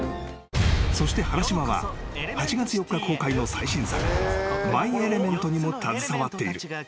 ［そして原島は８月４日公開の最新作『マイ・エレメント』にも携わっている］